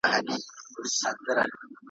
پاک چاپېریال ښه راتلونکی جوړوي.